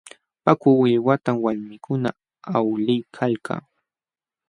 Paku willwatam walmikuna awliykalka.